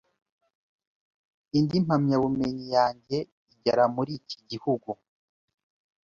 Indi mpamyabumenyi yanjye igera muri iki gihugu